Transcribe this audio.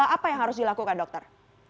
apa yang harus dilakukan dokter